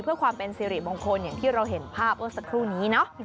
เพื่อความเป็นสิริมงคลอย่างที่เราเห็นภาพเมื่อสักครู่นี้เนาะ